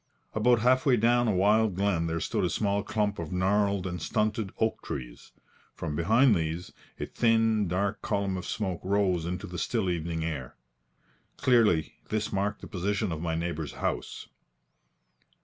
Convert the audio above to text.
About half way down a wild glen there stood a small clump of gnarled and stunted oak trees. From behind these, a thin dark column of smoke rose into the still evening air. Clearly this marked the position of my neighbour's house.